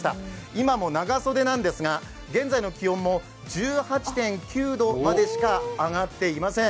今も長袖なんですが、現在の気温も１８．９度までしか上がっていません。